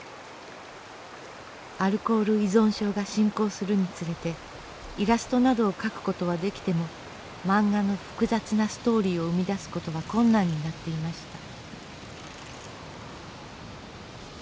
アルコール依存症が進行するにつれてイラストなどを描くことはできても漫画の複雑なストーリーを生み出すことは困難になっていました。